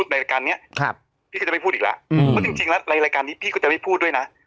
แล้วพอพ่อพูดอีกแล้วและรายการนี้พี่ก็จะไม่พูดด้วยนะ